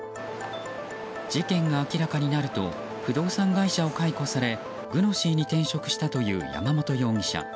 事件が明らかになると不動産会社を解雇されＧｕｎｏｓｙに転職したという山本容疑者。